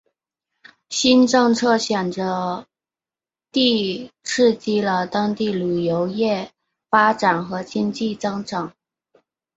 新政策显着地刺激了当地旅游业发展和经济增长。